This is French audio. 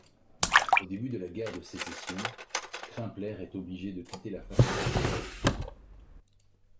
Au début de la guerre de Sécession, Crumpler est obligée de quitter la faculté.